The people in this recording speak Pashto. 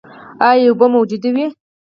ایا اوبه موجودې وې؟